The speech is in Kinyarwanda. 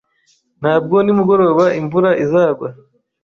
Ntabwo nimugoroba imvura izagwa.